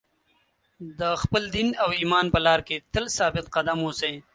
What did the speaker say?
د خپل دین او ایمان په لار کې تل ثابت قدم اوسئ.